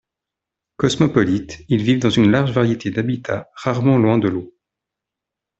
Cosmopolites, ils vivent dans une large variété d'habitats, rarement loin de l'eau.